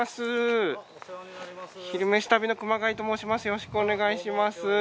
よろしくお願いします。